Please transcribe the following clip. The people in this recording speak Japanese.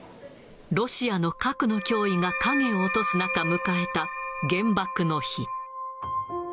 ロシアの核の脅威が影を落とす中、迎えた原爆の日。